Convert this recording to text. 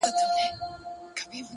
هوډ د ستونزو وزن کموي.!